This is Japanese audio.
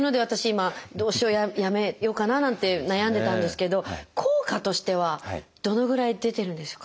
今どうしようやめようかななんて悩んでたんですけど効果としてはどのぐらい出てるんですか？